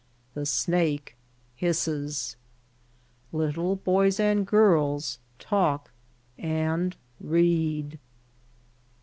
The snake hiss es. Lit tle boys and girls talk and read.